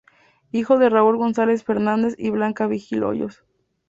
Hijo de Raúl González Fernández y Blanca Vigil Hoyos.